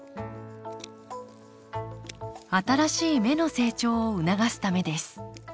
新しい芽の成長を促すためです